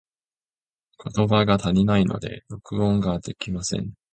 言葉が足りないので、録音ができません。